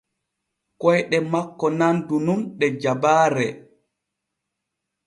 Koyɗe makko nandu nun ɗe jabaare.